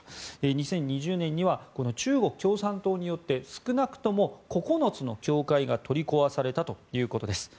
２０２０年にはこの中国共産党によって少なくとも９つの教会が取り壊されたということです。